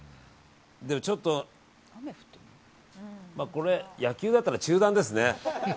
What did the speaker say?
でもちょっとこれ、野球だったら中断ですね。